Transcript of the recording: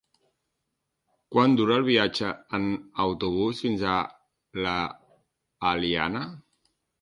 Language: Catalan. Quant dura el viatge en autobús fins a l'Eliana?